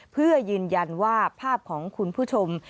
เพื่อยืนยันว่าภาพของคุณผู้ชม